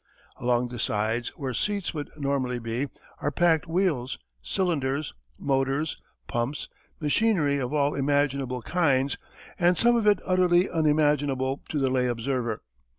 Along the sides, where seats would normally be, are packed wheels, cylinders, motors, pumps, machinery of all imaginable kinds and some of it utterly unimaginable to the lay observer.